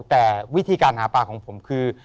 แต่วิธีการหาปลาของผมคือ